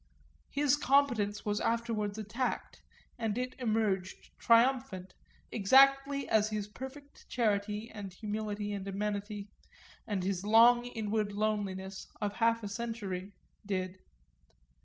His competence was afterwards attacked, and it emerged triumphant, exactly as his perfect charity and humility and amenity, and his long inward loneliness, of half a century, did.